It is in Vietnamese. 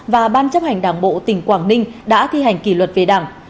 và ban chấp hành đảng bộ tỉnh quảng ninh đã thi hành kỷ luật về đảng